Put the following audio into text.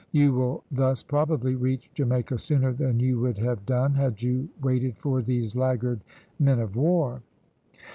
You will thus, probably, reach Jamaica sooner than you would have done had you waited for these laggard men of war."